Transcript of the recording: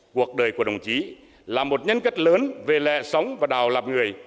cuộc đời của đồng chí là một nhân cách lớn về lè sống và đào lập người